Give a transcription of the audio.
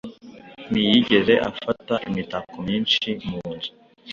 Ntiyigeze afata imitako myinshi mu nzu